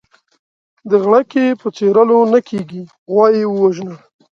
د غړکي په څيرلو نه کېږي ، غوا يې ووژنه.